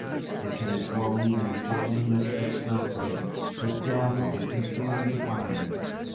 It came slowly in a whirling mist of snowflakes that dazzled and confused the eye.